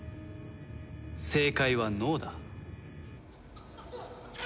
正解は「ノー」だ。